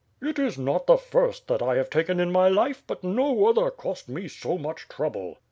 "It is not the first that I have taken in my life, but no other cost me so much trouble."